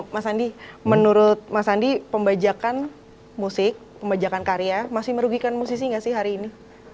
mas andi menurut mas andi pembajakan musik pembajakan karya masih merugikan musisi gak sih hari ini